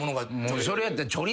それやったら。